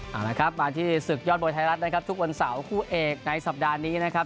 เอาละครับมาที่ศึกยอดมวยไทยรัฐนะครับทุกวันเสาร์คู่เอกในสัปดาห์นี้นะครับ